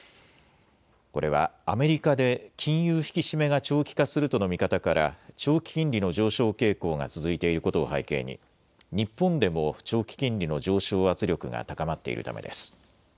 これはアメリカで金融引き締めが長期化するとの見方から長期金利の上昇傾向が続いていることを背景に日本でも長期金利の上昇圧力が高まっているためです。